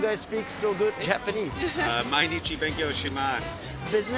毎日、勉強します。